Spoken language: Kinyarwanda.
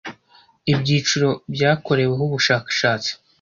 Ibyiciro byakoreweho ubushakashatsi